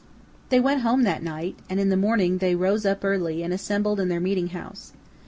They went home that night, and in the morning they rose up early, and assembled in their meeting house.